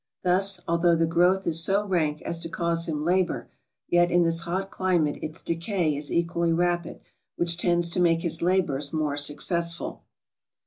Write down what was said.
Thus, although the growth is so rank as to cause him labor, yet in this hot climate its decay is equally rapid, which tends to make his labors more successful.